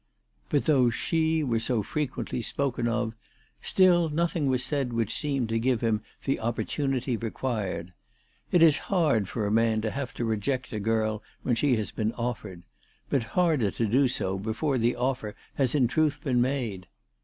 But though " She " were so frequently spoken of, still nothing was said which seemed to give him the opportunity required. It is hard for a man to have to reject a girl when she has been offered, but harder to do so before the offer has in truth been made.